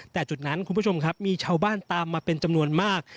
แต่จุดนั้นคุณผู้ชมครับมีชาวบ้านตามมาเป็นจำนวนมาก